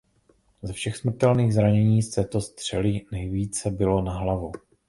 Ze všech smrtelných zranění z této střely nejvíce bylo na hlavu.